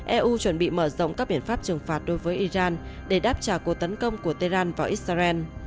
eu chuẩn bị mở rộng các biện pháp trừng phạt đối với iran để đáp trả cuộc tấn công của tehran vào israel